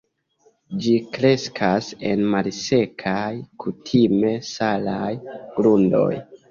Ĝi kreskas en malsekaj, kutime salaj grundoj.